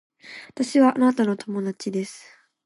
私はあなたの友達です